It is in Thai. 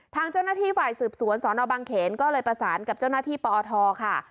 ทางเจ้าหน้าที่ฝ่ายสืบสวนสนบางเขนก็เลยประสานกับเจ้าหน้าที่ปอทค่ะ